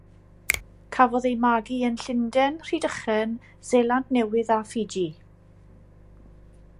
Cafodd ei magu yn Llundain, Rhydychen, Seland Newydd a Fiji.